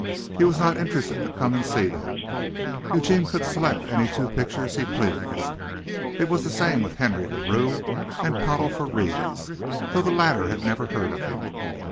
He was not interested to come and see them. Eugene could select any two pictures he pleased. It was the same with Henry LaRue and Pottle Frères, though the latter had never heard of him.